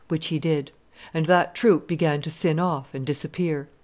which he did: and that troop began to thin off and disappear."